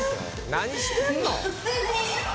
何してんの？